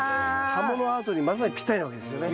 葉ものアートにまさにぴったりなわけですよね。